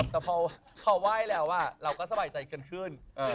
แต่ขอว่ายแล้วเราก็สบายใจเกินขึ้น